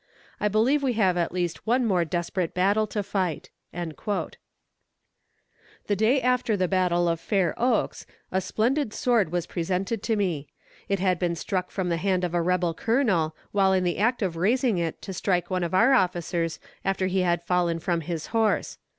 I believe we have at least one more desperate battle to fight." The day after the battle of Fair Oaks, a splendid sword was presented to me. It had been struck from the hand of a rebel colonel, while in the act of raising it to strike one of our officers after he had fallen from his horse.